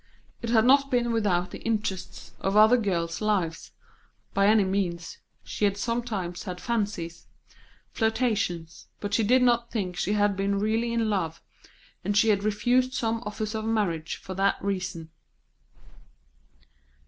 It had not been without the interests of other girls' lives, by any means; she had sometimes had fancies, flirtations, but she did not think she had been really in love, and she had refused some offers of marriage for that reason.